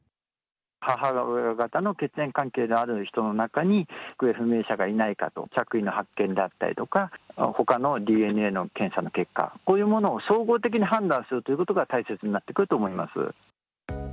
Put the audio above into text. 母親方の血縁関係のある人の中に、行方不明者がいないかと、着衣の発見だったりとか、ほかのＤＮＡの検査の結果、こういうものを総合的に判断するということが大切になってくると思います。